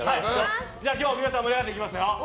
今日も皆さん盛り上がっていきますよ。